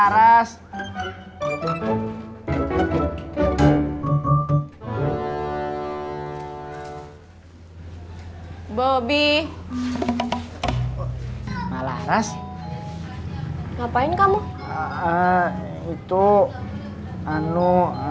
kamu mau ngassupin semua hahaha